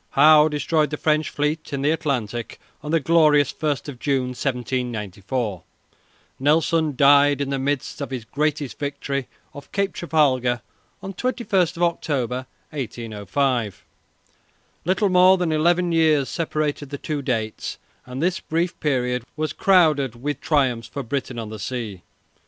Howe destroyed the French fleet in the Atlantic on "the glorious First of June, 1794," Nelson died in the midst of his greatest victory off Cape Trafalgar on 21 October, 1805. Little more than eleven years separated the two dates, and this brief period was crowded with triumphs for Britain on the sea.